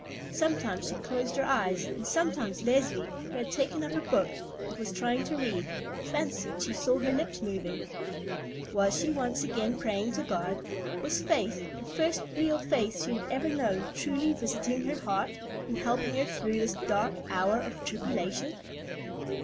Sometimes she closed her eyes, and sometimes Leslie, who had taken up a book, and was trying to read, fancied she saw her lips moving. Was she once again praying to God? Was faith, the first real faith she had ever known, truly visiting her heart, and helping her through this dark hour of tribulation?